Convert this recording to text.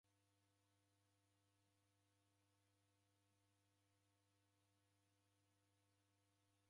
Odenikunda nikamlegha itamwaha waw'enikaba vita.